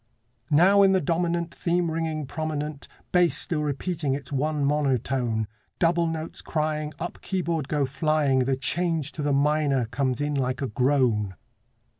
Now in the dominant Theme ringing prominent, Bass still repeating its one monotone, Double notes crying, Up keyboard go flying, The change to the minor comes in like a groan.